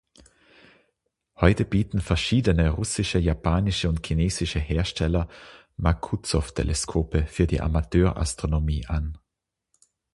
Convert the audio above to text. Heute bieten verschiedene russische, japanische und chinesische Hersteller Maksutov-Teleskope für die Amateurastronomie an.